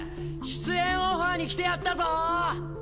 出演オファーに来てやったぞ！！